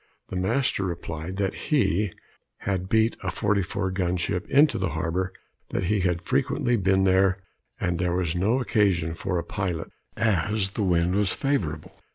The master replied that he had beat a 44 gun ship into the harbor, that he had frequently been there, and there was no occasion for a pilot, as the wind was favorable.